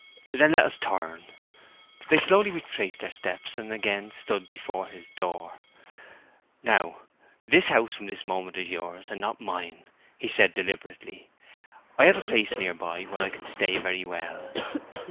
"Then let us turn." They slowly retraced their steps, and again stood before his door. "Now, this house from this moment is yours, and not mine," he said, deliberately. "I have a place near by where I can stay very well."